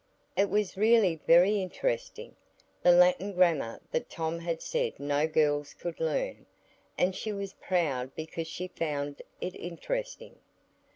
It was really very interesting, the Latin Grammar that Tom had said no girls could learn; and she was proud because she found it interesting.